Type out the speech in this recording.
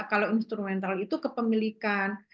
kalau instrumental itu kepemilikan